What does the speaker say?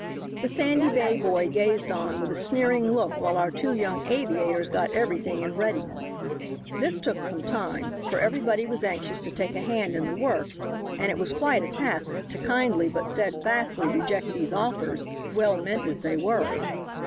The Sandy Bay boy gazed on with a sneering look while our two young aviators got everything in readiness. This took some time for everybody was anxious to take a hand in the work, and it was quite a task to kindly, but steadfastly, reject these offers, well meant as they were.